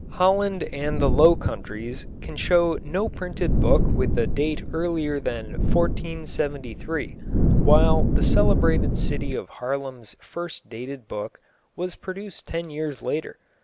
Holland and the Low Countries can show no printed book with a date earlier than 1473, while the celebrated city of Haarlem's first dated book was produced ten years later.